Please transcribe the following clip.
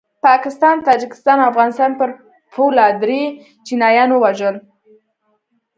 پاکستان د تاجکستان او افغانستان پر پوله دري چینایان ووژل